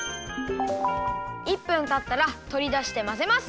１分たったらとりだしてまぜます！